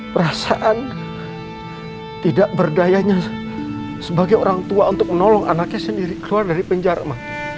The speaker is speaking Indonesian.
perasaan tidak berdayanya sebagai orang tua untuk menolong anaknya sendiri keluar dari penjara